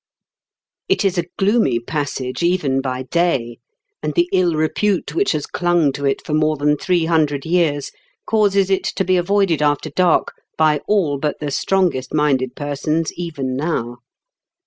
It is a gloomy passage even by day, and the ill repute which has clung to it for more than three hundred years causes it to be avoided after dark by all but the strongest minded persons even now.